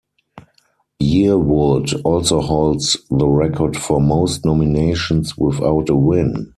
Yearwood also holds the record for most nominations without a win.